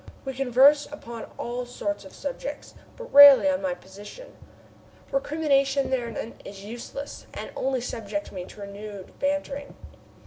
We converse upon all sorts of subjects, but rarely of my position. Recrimination thereanent is useless and only subjects me to renewed bantering.